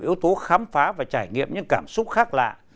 yếu tố khám phá và trải nghiệm những cảm xúc khác lạ